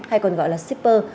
hay còn gọi là shipper